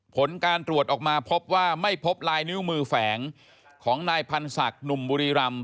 ผลการตรวจออกมาพบว่าไม่พบลายนิ้วมือแฝงของนายพันธ์ศักดิ์หนุ่มบุรีรำ